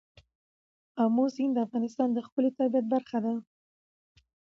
آمو سیند د افغانستان د ښکلي طبیعت برخه ده.